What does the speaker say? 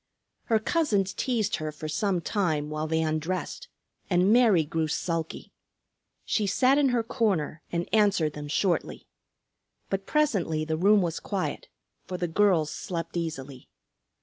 Her cousins teased her for some time, while they undressed, and Mary grew sulky. She sat in her corner and answered them shortly. But presently the room was quiet, for the girls slept easily.